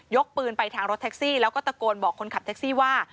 กปืนไปทางรถแท็กซี่แล้วก็ตะโกนบอกคนขับแท็กซี่ว่า